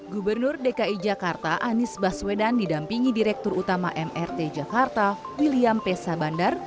gubernur dki jakarta anies baswedan didampingi direktur utama mrt jakarta william p sabandar